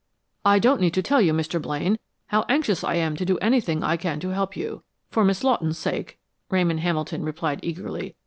"I don't need to tell you, Mr. Blaine, how anxious I am to do anything I can to help you, for Miss Lawton's sake," Ramon Hamilton replied eagerly.